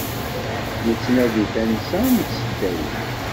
Nettnadi tansa n tesdawit.